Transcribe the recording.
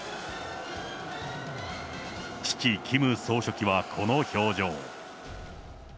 父、キム総書記はこの表情。